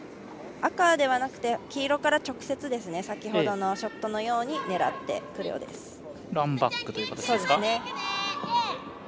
赤ではなくて、黄色から直接、先ほどのショットのように狙ってくるようですね。